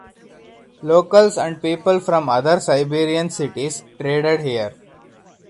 Locals and people from other Siberian cities traded here.